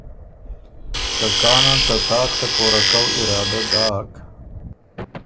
که کانن ته تاک ته پوره کؤ اراده داک،